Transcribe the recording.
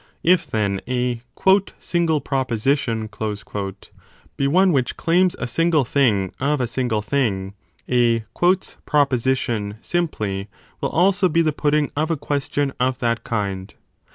If, then, a single proposition be one which claims a single thing of a single thing, a proposition , simply, will also be the putting of a question of that kind.